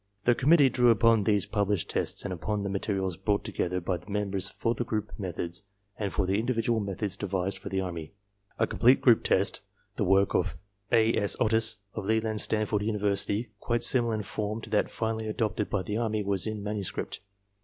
The com mittee drew upon these published tests and upon the materials brought together by the members for the group methods and for the individual methods devised for the Army. A complete group test, the work of A. S. Otis of Leland Stanford University, quite similar in form to that finally adopted by the Army was in manuscript.